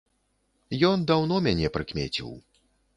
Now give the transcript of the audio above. Ён даўно мяне прыкмеціў.